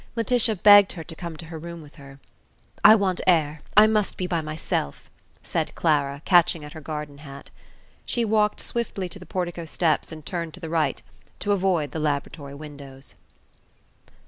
Laetitia begged her to come to her room with her. "I want air: I must be by myself," said Clara, catching at her garden hat. She walked swiftly to the portico steps and turned to the right, to avoid the laboratory windows.